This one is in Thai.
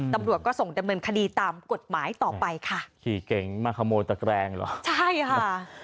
ตำรวจก็ส่งดำเนินคดีตามกฎหมายต่อไปค่ะขี่เก๋งมาขโมยตะแกรงเหรอใช่ค่ะ